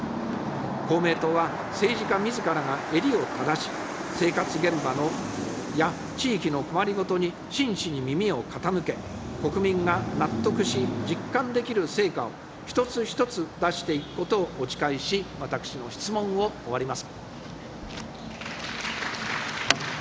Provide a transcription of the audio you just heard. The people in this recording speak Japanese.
公明党は、政治家みずからが襟を正し、生活現場や地域の困りごとに真摯に耳を傾け、国民が納得し、実感できる成果を一つ一つ出していくことをお誓いし、私の質問を終わります。